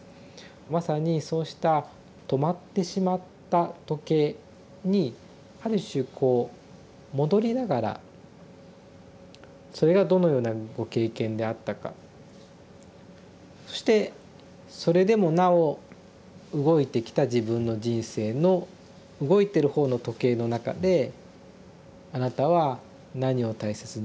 まさにそうした止まってしまった時計にある種こう戻りながらそれがどのようなご経験であったかそしてそれでもなお動いてきた自分の人生の動いてる方の時計の中であなたは何を大切にしてきたか。